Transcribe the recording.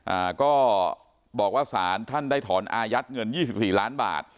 อ่าก็บอกว่าสารท่านได้ถอนอายัดเงินยี่สิบสี่ล้านบาท